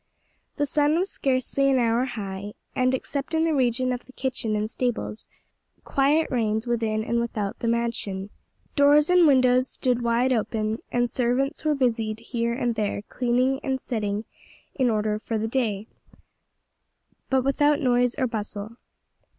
The sun was scarcely an hour high, and except in the region of the kitchen and stables quiet reigned within and without the mansion; doors and windows stood wide open, and servants were busied here and there cleaning and setting in order for the day, but without noise or bustle.